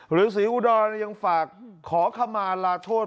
หรือสีอุดรยังฝากขาขมาลาโทษ